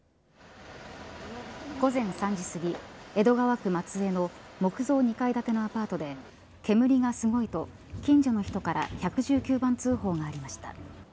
午前３時すぎ江戸川区松江の木造２階建てのアパートで煙がすごいと近所の人から１１９番通報がありました。